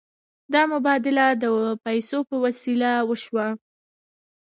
دا مبادله د پیسو په وسیله وشوه.